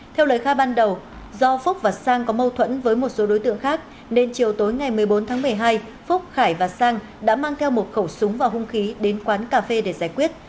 theo lời khai ban đầu do phúc và sang có mâu thuẫn với một số đối tượng khác nên chiều tối ngày một mươi bốn tháng một mươi hai phúc khải và sang đã mang theo một khẩu súng và hung khí đến quán cà phê để giải quyết